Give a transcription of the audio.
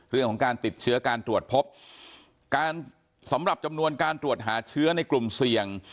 เรื่องของการติดเชื้อการตรวจพบการสำหรับจำนวนการตรวจหาเชื้อในกลุ่มเสี่ยง